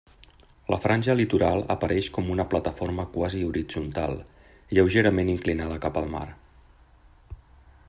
La franja litoral apareix com una plataforma quasi horitzontal, lleugerament inclinada cap al mar.